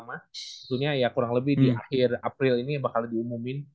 tentunya ya kurang lebih di akhir april ini bakal diumumin